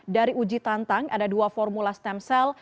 dari uji tantang ada dua formula stem cell